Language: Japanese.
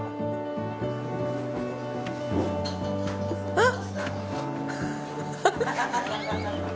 あっ。